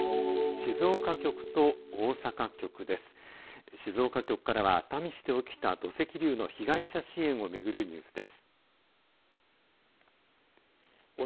静岡局からは熱海市で起きた土石流の被害者支援を巡るニュースです。